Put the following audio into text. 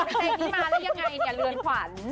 เพลงนี้มาแล้วยังไงเนี่ยเรือนขวัญ